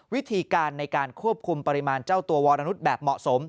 วิธีการในการควบคุมปริมาณเจ้าตัววรนุษย์แบบเหมาะสม